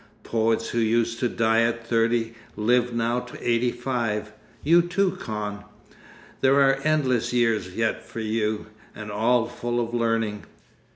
Poets who used to die at thirty live now to eighty five. You, too, Kahn! There are endless years yet for you—and all full of learning....